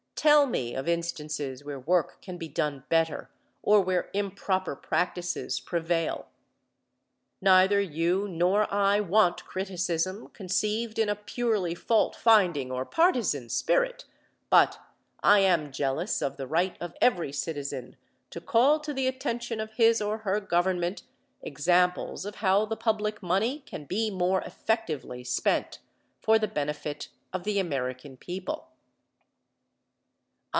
Tell me of instances where work can be done better, or where improper practices prevail. Neither you nor I want criticism conceived in a purely fault finding or partisan spirit, but I am jealous of the right of every citizen to call to the attention of his or her government examples of how the public money can be more effectively spent for the benefit of the American people.